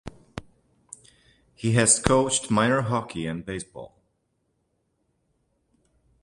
He has coached minor hockey and baseball.